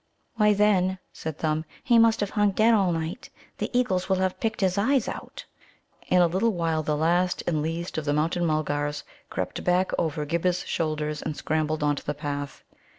"Why, then," said Thumb, "he must have hung dead all night. The eagles will have picked his eyes out." In a little while the last and least of the Mountain mulgars crept back over Ghibba's shoulders and scrambled on to the path.